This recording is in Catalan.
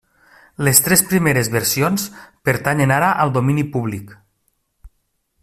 Les tres primeres versions pertanyen ara al domini públic.